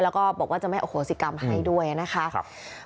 แล้วก็บอกว่าจะไม่อโหสิกรรมให้ด้วยนะคะ